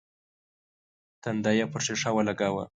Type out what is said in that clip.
تندی يې پر ښيښه ولګاوه.